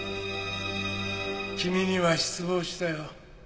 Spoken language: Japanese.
君には失望したよ。